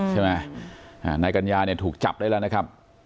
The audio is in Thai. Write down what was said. ใช่ไหมอ่านายกันยาเนี้ยถูกจับได้แล้วนะครับ